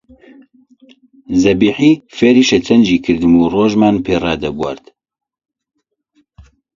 زەبیحی فێرە شەترەنجی کردم و ڕۆژمان پێ ڕادەبوارد